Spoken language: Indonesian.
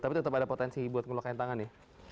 tapi tetap ada potensi buat ngeluhkan tangan nih